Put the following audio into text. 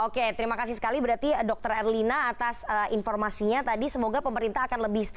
oke terima kasih sekali berarti dr erlina atas informasinya tadi semoga pemerintah akan lebih setuju